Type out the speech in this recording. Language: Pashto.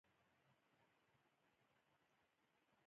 افغانستان په خپلو غوښې باندې پوره تکیه لري.